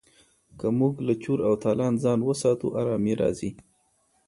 که موږ له چور او تالان ځان وساتو ارامي راځي.